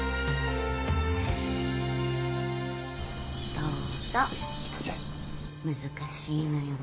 ・どうぞすいません難しいのよね